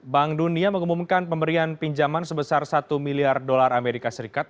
bank dunia mengumumkan pemberian pinjaman sebesar satu miliar dolar amerika serikat